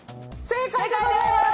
正解でございます。